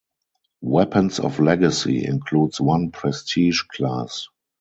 "Weapons of Legacy" includes one prestige class.